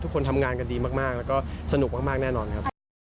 ทุกคนทำงานกันดีมากแล้วก็สนุกมากแน่นอนครับ